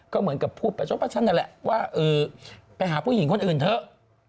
ก็เหมือนกับพูดประชดประชันนั่นแหละว่าไปหาผู้หญิงคนอื่นเถอะ